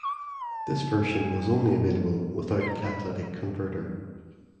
This version was only available without catalytic converter.